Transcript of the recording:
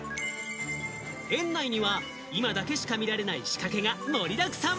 園内には今だけしか見られない仕掛けが盛りだくさん。